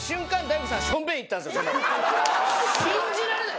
信じられない！